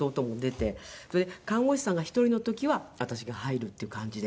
それで看護師さんが１人の時は私が入るっていう感じで。